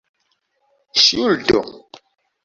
ŝuldo